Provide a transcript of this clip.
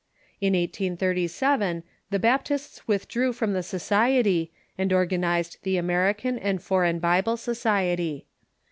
In 1837, the Baptists withdrew from the society and organized the Amer ican and Foreign Bible Society.